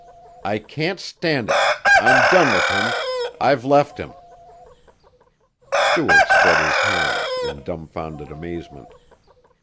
"I can't stand it! I'm done with him! I've left him!" Stuart spread his hands in dumfounded amazement.